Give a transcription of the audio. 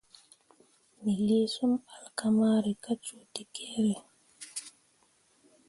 Me lii sum alkamari kah cuu tekere.